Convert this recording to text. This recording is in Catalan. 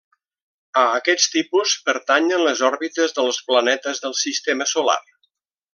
A aquest tipus pertanyen les òrbites dels planetes del Sistema Solar.